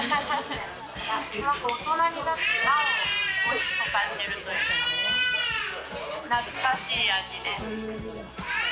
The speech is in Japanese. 大人になって、なお美味しく感じるというか、懐かしい味です。